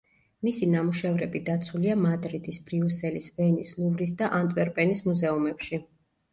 მისი ნამუშევრები დაცულია მადრიდის, ბრიუსელის, ვენის, ლუვრის და ანტვერპენის მუზეუმებში.